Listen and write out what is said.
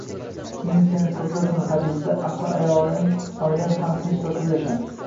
“Uying seni sig‘dirsin” hadisida ahli oilang bilan tinch-totuv yasha